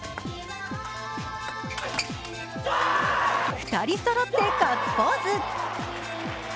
２人そろってガッツポーズ。